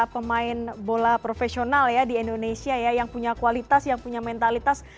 pemain bola profesional ya di indonesia ya yang punya kualitas yang punya mentalitas